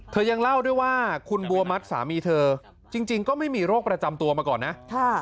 ยังเล่าด้วยว่าคุณบัวมัดสามีเธอจริงก็ไม่มีโรคประจำตัวมาก่อนนะ